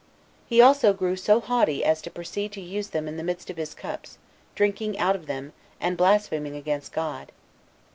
He also grew so haughty as to proceed to use them in the midst of his cups, drinking out of them, and blaspheming against God.